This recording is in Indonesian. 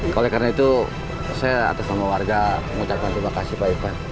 oleh karena itu saya atas nama warga mengucapkan terima kasih pak ivan